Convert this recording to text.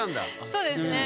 そうですね。